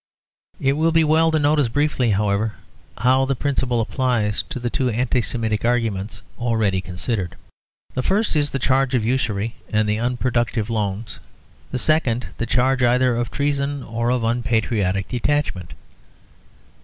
It will be well to notice briefly, however, how the principle applies to the two Anti Semitic arguments already considered. The first is the charge of usury and unproductive loans, the second the charge either of treason or of unpatriotic detachment.